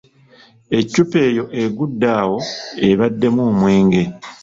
Eccupa eyo eggudde awo ebaddemu omwenge.